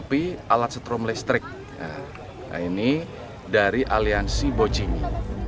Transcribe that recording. tapi alat setrum listrik ini dari aliansi bojimi